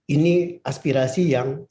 ini aspirasi yang sifatnya